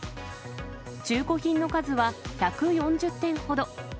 中古品の数は１４０点ほど。